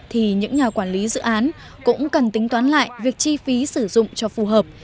thì những nhà quản lý dự án cũng cần tính toán lại việc chi phí sử dụng cho phù hợp